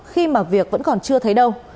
khi mà việc vẫn còn chưa thấy đâu